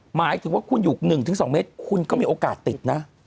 หมายถึงว่าคุณอยู่๑๒เมตรคุณก็มีโอกาสติดนะ